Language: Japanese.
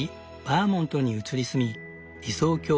バーモントに移り住み理想郷